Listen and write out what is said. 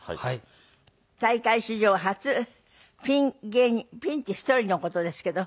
大会史上初ピン芸人ピンって１人の事ですけど。